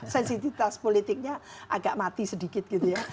sensitivitas politiknya agak mati sedikit gitu ya